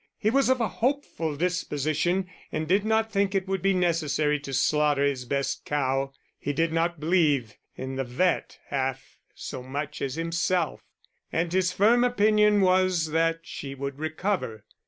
He was of a hopeful disposition, and did not think it would be necessary to slaughter his best cow. He did not believe in the vet. half so much as in himself, and his firm opinion was that she would recover.